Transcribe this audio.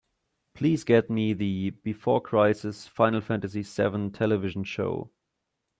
Please get me the Before Crisis: Final Fantasy VII television show.